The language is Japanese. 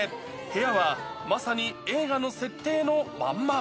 部屋は、まさに映画の設定のまんま。